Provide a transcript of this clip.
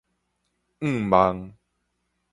向望